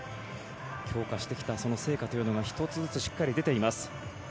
強化してきたその成果が１つずつしっかり出ています。